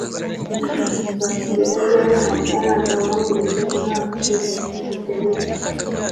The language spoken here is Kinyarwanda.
uzansubiza ryari amafaranga wangurije umwaka ushize? (piteris